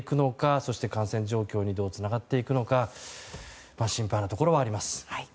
そして感染状況にどうつながっていくのか心配なところがあります。